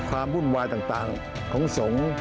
ด้วยความเคารพนะครับพวกเราฆราวะเนี่ยเสียคนมานานแล้ว